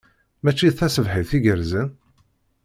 Mačči d taṣebḥit igerrzen?